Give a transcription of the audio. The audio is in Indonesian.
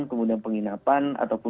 kemudian penginapan ataupun